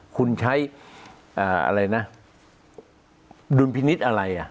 คุณใช้อะไรนะดุลพินิษฐ์อะไรอ่ะ